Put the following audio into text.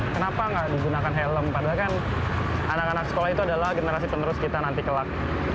kenapa nggak digunakan helm padahal kan anak anak sekolah itu adalah generasi penerus kita nanti kelak